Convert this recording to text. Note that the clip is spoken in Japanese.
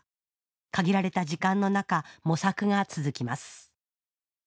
限られた時間の中模索が続きます